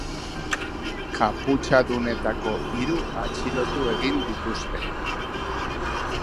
Kaputxadunetako hiru atxilotu egin dituzte.